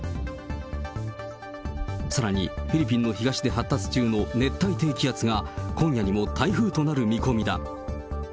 さらにフィリピンの東で発達中の熱帯低気圧が、今夜にも台風となる見込みだ。